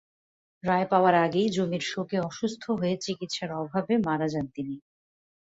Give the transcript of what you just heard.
রায় পাওয়ার আগেই জমির শোকে অসুস্থ হয়ে চিকিৎসার অভাবে মারা যান তিনি।